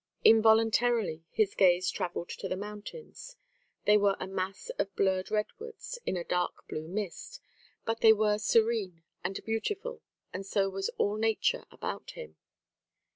Involuntarily, his gaze travelled to the mountains; they were a mass of blurred redwoods in a dark blue mist. But they were serene and beautiful; so was all nature about him.